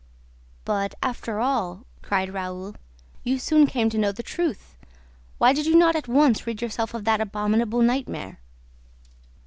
"But, after all," cried Raoul, "you soon came to know the truth! Why did you not at once rid yourself of that abominable nightmare?"